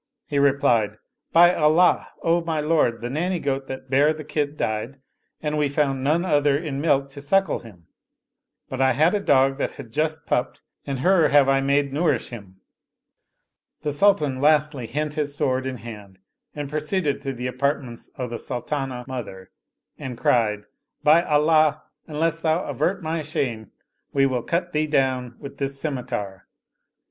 He replied, " By Allah, O my lord, the nanny goat that bare the kid died and we found none other in milk to suckle him ; but I had a dog that had just pupped and her have I made nourish him." The Sultan lastly hent his sword in hand and proceeded to the apartments of the Sultanah mother and cried, " By Allah, unless thou avert my shame we will cut thee down with this scimiter